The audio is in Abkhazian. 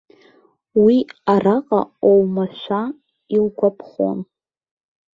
Уи араҟа оумашәа илгәаԥхон.